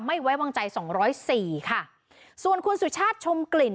ไม่ไว้วางใจสองร้อยสี่ค่ะส่วนคุณสุชาติชมกลิ่น